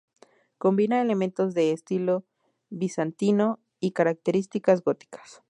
Combina elementos de estilo bizantino y características góticas.